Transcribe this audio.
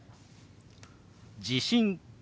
「地震」。